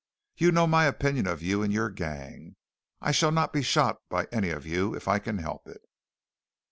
You know my opinion of you and your gang. I shall not be shot by any of you, if I can help it."